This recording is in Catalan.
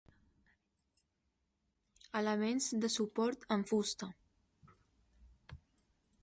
Elements de suport en fusta.